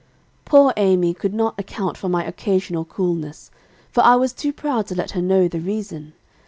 "Poor Amy could not account for my occasional coolness, for I was too proud to let her know the reason.